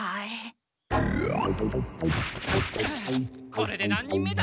これで何人目だ？